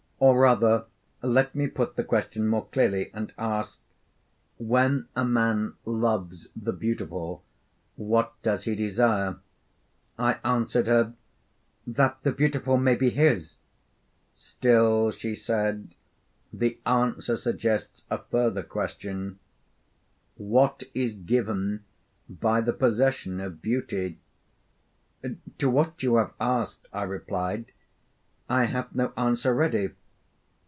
or rather let me put the question more clearly, and ask: When a man loves the beautiful, what does he desire?' I answered her 'That the beautiful may be his.' 'Still,' she said, 'the answer suggests a further question: What is given by the possession of beauty?' 'To what you have asked,' I replied, 'I have no answer ready.'